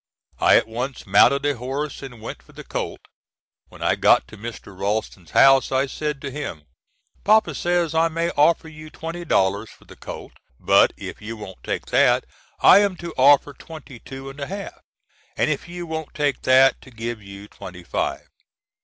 I at once mounted a horse and went for the colt. When I got to Mr. Ralston's house, I said to him: "Papa says I may offer you twenty dollars for the colt, but if you won't take that, I am to offer twenty two and a half, and if you won't take that, to give you twenty five."